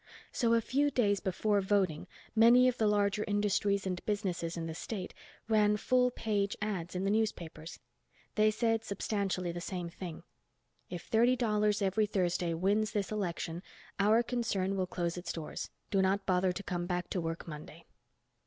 So, a few days before voting many of the larger industries and businesses in the State ran full page ads in the newspapers. They said substantially the same thing. _If Thirty Dollars Every Thursday wins this election, our concern will close its doors. Do not bother to come back to work Monday.